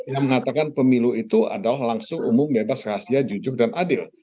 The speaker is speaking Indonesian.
yang mengatakan pemilu itu adalah langsung umum bebas rahasia jujur dan adil